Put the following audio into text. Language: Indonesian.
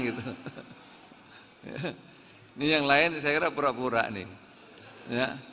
ini yang lain saya kira pura pura nih